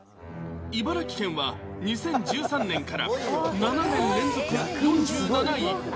茨城県は２０１３年から７年連続４７位。